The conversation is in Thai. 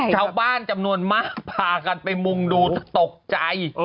ชาวบ้านจำนวนมากพากันไปมุ่งดูตกใจ